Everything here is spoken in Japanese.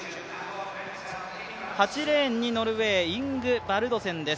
８レーンにノルウェーイングバルドセンです。